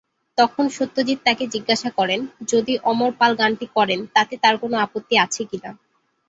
তখন সত্যজিৎ তাঁকে জিজ্ঞাসা করেন, যদি অমর পাল গানটি করেন, তাতে তাঁর কোনও আপত্তি আছে কি না।